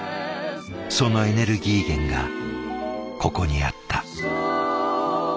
そのエネルギー源がここにあった。